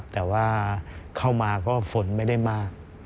แต่ว่าเข้ามาก็ฝนไม่ได้มาก